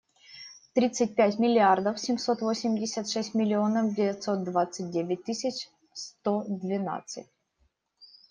Тридцать пять миллиардов семьсот восемьдесят шесть миллионов девятьсот двадцать девять тысяч сто двенадцать.